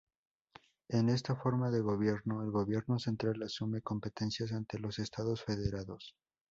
En esta forma de gobierno, el gobierno central asume competencias ante los estados federados.